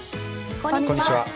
こんにちは。